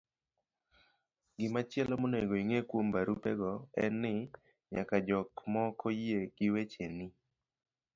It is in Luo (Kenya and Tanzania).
Gimachielo monego ing'e kuom barupego en ni nyaka jok moko yie gi wecheni